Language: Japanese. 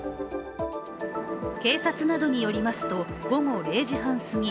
警察などによりますと、午後０時半すぎ